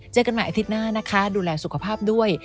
เจอกันใหม่อาทิตย์หน้านะคะดูแลสุขภาพด้วย